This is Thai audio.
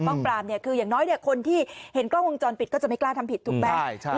ปรามเนี่ยคืออย่างน้อยเนี่ยคนที่เห็นกล้องวงจรปิดก็จะไม่กล้าทำผิดถูกไหม